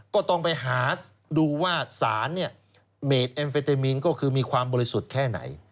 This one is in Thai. ก็ต้องไปหาดูว่าสารเนี่ยเมดเอ็มเฟตามีนก็คือมีความบริสุทธิ์แค่ไหน